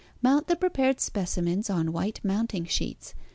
Mount the prepared specimens on white mounting sheets.